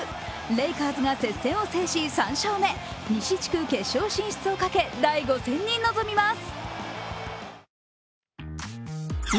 レイカーズが接戦を制し３勝目西地区決勝進出をかけ第５戦に臨みます。